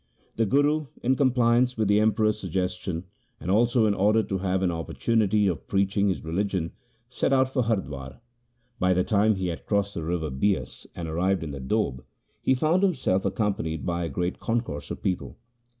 The Guru, in compliance with the Emperor's suggestion, and also in order to have an opportunity of preaching his religion, set out for Hardwar. By the time he had crossed the river Bias and arrived in the Doab, he found himself accompanied by a great concourse of people.